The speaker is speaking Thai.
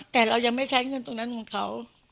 แต่เรายังไม่ใช้เงินตรงนั้นของเขา